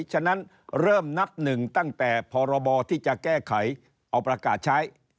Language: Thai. ฉะนั้นเริ่มนับหนึ่งตั้งแต่พรบที่จะแก้ไขเอาประกาศใช้